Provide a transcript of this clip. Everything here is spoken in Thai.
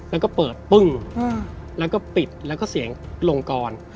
แล้วก็เปิดปึ้งแล้วก็ปิดแล้วก็เสียงลงกร